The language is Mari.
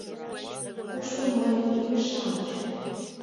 Кушто мыйын имне-шамыч?